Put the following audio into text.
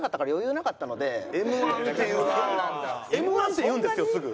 Ｍ−１って言うんですよすぐ。